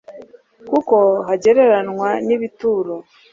kuko hagereranwa n'ibituro